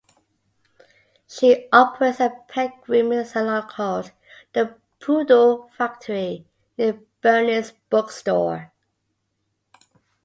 She operates a pet-grooming salon called "The Poodle Factory" near Bernie's bookstore.